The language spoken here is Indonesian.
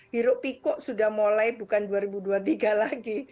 hirup pikuk sudah mulai bukan dua ribu dua puluh tiga lagi